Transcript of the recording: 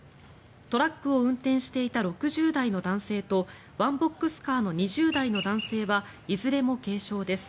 トラックを運転していた６０代の男性とワンボックスカーの２０代の男性はいずれも軽傷です。